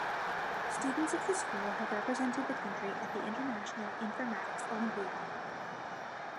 Students of the school have represented the country at the International Informatics Olympiad.